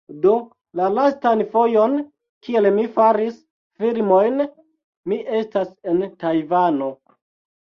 Do la lastan fojon, kiel mi faris filmojn, mi estas en Tajvano.